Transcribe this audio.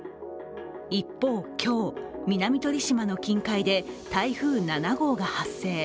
一方、今日、南鳥島の近海で台風７号が発生。